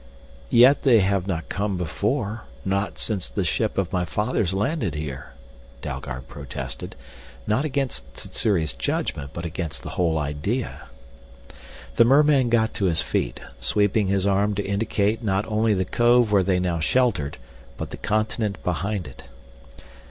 "Yet they have not come before not since the ship of my fathers landed here," Dalgard protested, not against Sssuri's judgment but against the whole idea. The merman got to his feet, sweeping his arm to indicate not only the cove where they now sheltered but the continent behind it.